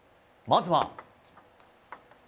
まずは。